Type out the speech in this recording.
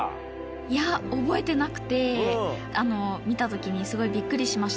いや覚えてなくて見た時にすごいビックリしました。